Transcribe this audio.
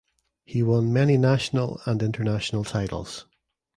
He won many national and International titles.